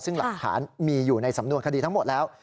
ซึ่งหลักฐานมีอยู่ในสำนวนคดีทั้งหมดแล้ว